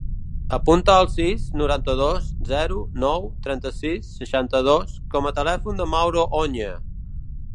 Apunta el sis, noranta-dos, zero, nou, trenta-sis, seixanta-dos com a telèfon del Mauro Oña.